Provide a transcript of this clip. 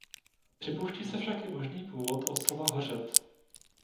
Připouští se však i možný původ od slova hořet.